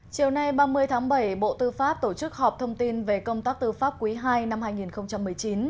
chiều nay ba mươi tháng bảy bộ tư pháp tổ chức họp thông tin về công tác tư pháp quý ii năm hai nghìn một mươi chín